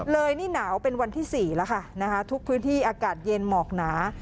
เลยนี่หนาวเป็นวันที่๔แล้วค่ะนะคะทุกพื้นที่อากาศเย็นหมอกหนา